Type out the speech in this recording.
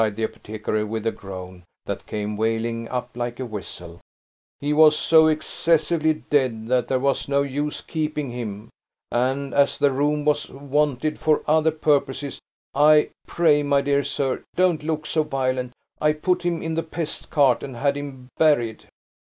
replied the apothecary, with a groan, that came wailing up like a whistle; "he was so excessively dead, that there was no use keeping him; and as the room was wanted for other purposes, I pray, my dear sir, don't look so violent I put him in the pest cart and had him buried."